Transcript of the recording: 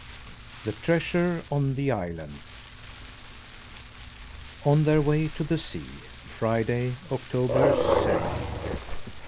THE TREASURE ON THE ISLAND ON THEIR WAY TO THE SEA Friday, October seventh.